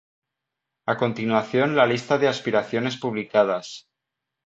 A continuación la lista de aspiraciones publicadas.